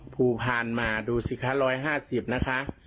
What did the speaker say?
ภูพานมาดูสิคะ๑๕๐นะคะ